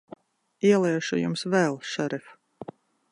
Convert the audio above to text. Ieliešu Jums vēl, šerif.